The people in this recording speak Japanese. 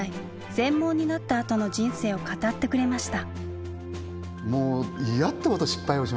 全盲になったあとの人生を語ってくれました。